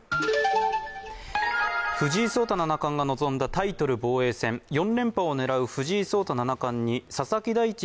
藤井聡太七冠が臨んだタイトル防衛戦、４連覇を狙う藤井聡太七冠に佐々木大地